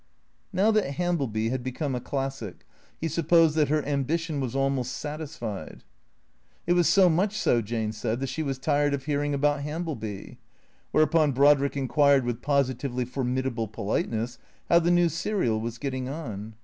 N"ow that Hambieby had become a classic; he supposed that her ambition was almost satisfied. It was so much so, Jane said, that she was tired of hearing about Hambieby. Whereupon Brodrick inquired with positively formidable politeness, how the new serial was getting on.